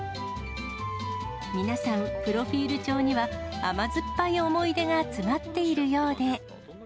皆さん、プロフィール帳には、甘酸っぱい思い出が詰まっているようで。